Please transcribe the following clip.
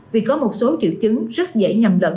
vì có một số triệu chứng rất dễ nhầm lẫn